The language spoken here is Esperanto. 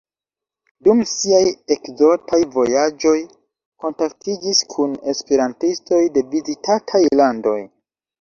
Dum siaj ekzotaj vojaĝoj kontaktiĝis kun esperantistoj de vizitataj landoj.